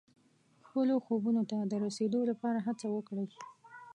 خپلو خوبونو ته د رسیدو لپاره هڅه وکړئ.